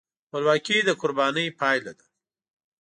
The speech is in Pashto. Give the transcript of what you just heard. خپلواکي د قربانۍ پایله ده.